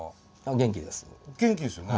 元気ですよね。